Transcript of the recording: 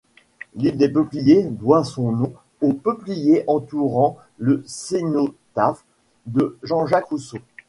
L'île des Peupliers doit son nom aux peupliers entourant le cénotaphe de Jean-Jacques Rousseau.